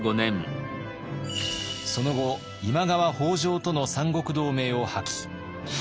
その後今川北条との三国同盟を破棄。